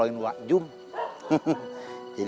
iya pak maafin